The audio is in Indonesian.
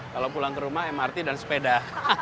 kalau pulang ke rumah mrt dan sepeda